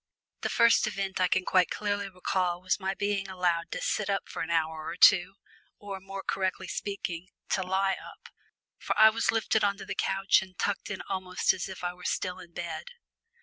The first event I can quite clearly recall was my being allowed to sit up for an hour or two, or, more correctly speaking, to lie up, for I was lifted on to the sofa and tucked in almost as if I were still in bed.